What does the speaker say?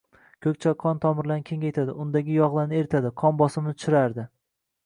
Ko‘k choy qon tomirlarini kengaytiradi, undagi yog‘larni eritadi, qon bosimini tushiradi.